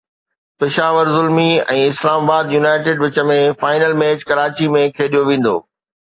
Peshawar Zalmi ۽ Islamabad United وچ ۾ final match Karachi ۾ کيڏيو ويندو